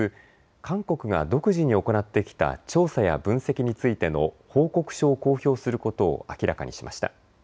韓国が独自に行ってきた調査や分析についての報告書を公表することを明らかにしました。